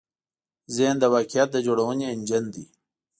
ذهن د واقعیت د جوړونې انجن دی.